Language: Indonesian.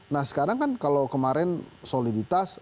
nah sekarang kan kalau kemarin soliditas